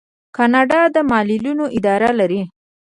کاناډا د معلولینو اداره لري.